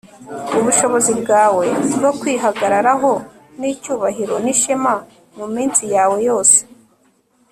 ubushobozi bwawe bwo kwihagararaho n'icyubahiro n'ishema muminsi yawe yose